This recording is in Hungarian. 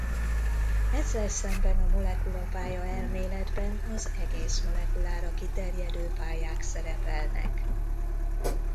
Ezzel szemben a molekulapálya-elméletben az egész molekulára kiterjedő pályák szerepelnek.